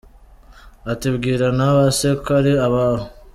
Ati:”bwira n’aba se ko ari abawe”!